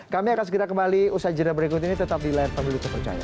kami akan segera kembali usaha jadwal berikut ini tetap di layar pemilu terpercaya